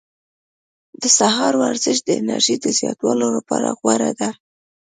د سهار ورزش د انرژۍ د زیاتوالي لپاره غوره ده.